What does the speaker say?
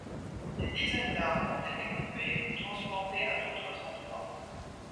Des dizaines d'arbres ont été coupés ou transplantés à d'autres endroits.